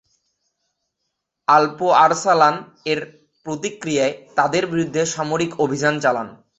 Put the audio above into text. আল্প Arslan এর প্রতিক্রিয়ায় তাদের বিরুদ্ধে সামরিক অভিযান চালান।